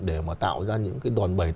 để mà tạo ra những đòn bày